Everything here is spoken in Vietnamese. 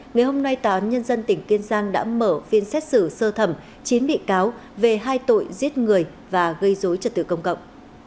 ngày hôm nay tòa án nhân dân tỉnh kiên giang đã mở phiên xét xử sơ thẩm chín bị cáo về hai tội giết người và gây dối trật tự công cộng